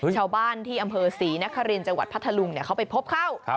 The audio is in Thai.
ชาวบ้านที่อำเภอศรีนครินทร์จังหวัดพัทธลุงเขาไปพบเข้า